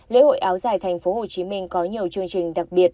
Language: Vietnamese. lễ hội áo dài tp hcm có nhiều chương trình đặc biệt